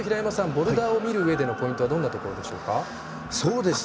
ボルダーを見るうえでのポイントどんなところでしょうか。